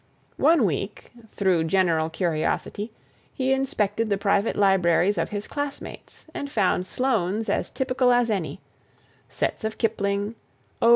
One week, through general curiosity, he inspected the private libraries of his classmates and found Sloane's as typical as any: sets of Kipling, O.